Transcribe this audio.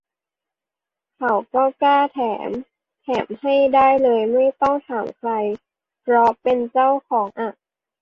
เขาก็กล้าแถม แถมให้ได้เลยไม่ต้องถามใคร เพราะเป็นเจ้าของอะ